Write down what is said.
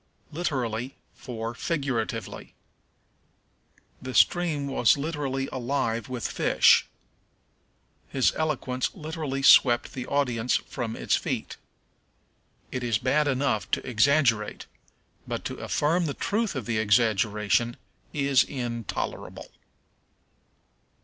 Literally for Figuratively. "The stream was literally alive with fish." "His eloquence literally swept the audience from its feet." It is bad enough to exaggerate, but to affirm the truth of the exaggeration is intolerable.